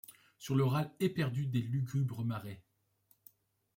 Sur le râle éperdu des lugubres marées